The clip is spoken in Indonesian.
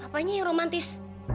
apanya yang romantis